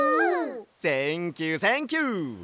センキューセンキュー！